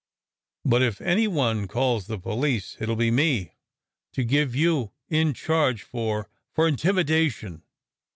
But if any one calls the police, it will be me, to give you in charge for for intimidation."